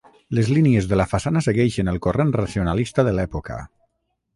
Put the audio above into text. Les línies de la façana segueixen el corrent racionalista de l'època.